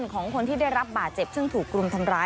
ของคนที่ได้รับบาดเจ็บซึ่งถูกรุมทำร้าย